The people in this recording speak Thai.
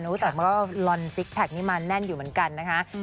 แต่มันก็ลอนซิกแพคนี้มาแน่นอยู่เหมือนกันนะคะ